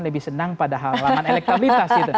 lebih senang pada halaman elektabilitas